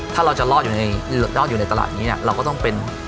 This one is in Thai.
ถ้าเราจะรอดอยู่ในตลาดนี้เนี่ยเราก็ต้องเป็น